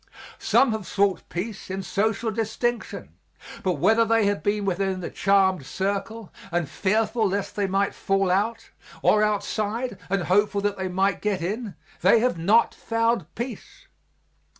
Some have sought peace in social distinction, but whether they have been within the charmed circle and fearful lest they might fall out, or outside, and hopeful that they might get in, they have not found peace.